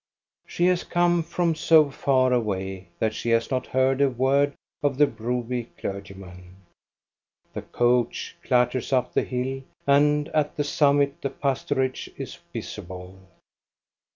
She has come from so far away that she has not heard a word of the Broby clergyman. The coach clatters up the hill, and at the summit the pastorage is visible.